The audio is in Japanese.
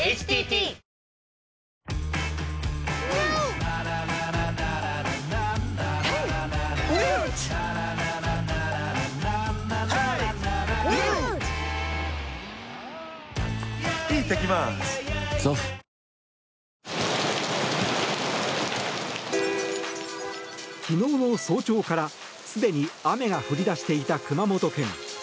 ポイントアップデーも昨日の早朝から、すでに雨が降り出していた熊本県。